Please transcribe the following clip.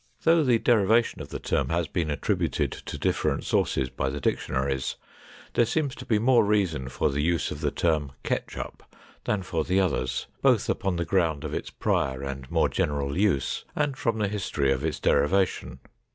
Though the derivation of the term has been attributed to different sources by the dictionaries, there seems to be more reason for the use of the term ketchup than for the others, both upon the ground of its prior and more general use, and from the history of its derivation.